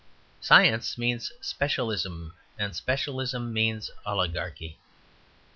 Science means specialism, and specialism means oligarchy.